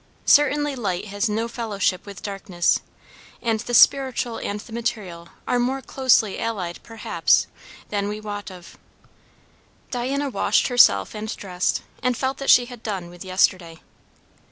Certainly light has no fellowship with darkness; and the spiritual and the material are more closely allied, perhaps, than we wot of. Diana washed herself and dressed, and felt that she had done with yesterday.